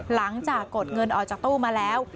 หลังจากกดเงินออกจากตู้มาแล้ว